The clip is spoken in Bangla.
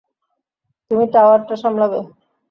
তুমি টাওয়ারটা সামলাবে!